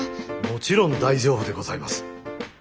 もちろん大丈夫でございます。